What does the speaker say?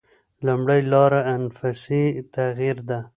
لومړۍ لاره انفسي تغییر ده.